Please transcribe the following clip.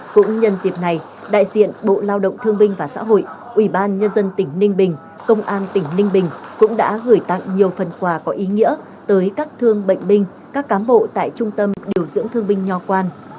cũng nhân dịp này đại diện bộ lao động thương binh và xã hội ủy ban nhân dân tỉnh ninh bình công an tỉnh ninh bình cũng đã gửi tặng nhiều phần quà có ý nghĩa tới các thương bệnh binh các cám bộ tại trung tâm điều dưỡng thương binh nho quan